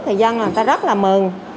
thì dân là người ta rất là mừng